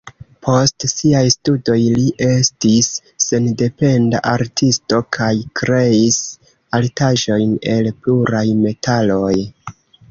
Post siaj studoj li estis sendependa artisto kaj kreis artaĵojn el pluraj metaloj.